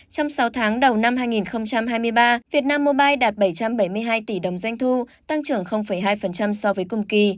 trong sáu tháng đầu năm hai nghìn hai mươi ba việt nam mobile đạt bảy trăm bảy mươi hai tỷ đồng doanh thu tăng trưởng hai so với cùng kỳ